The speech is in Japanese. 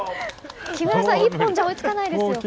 木村さん、１本じゃ追いつかないですよ。